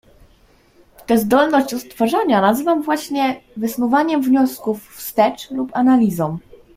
"Te zdolność odtwarzania nazywam właśnie wysnuwaniem wniosków wstecz lub analizą."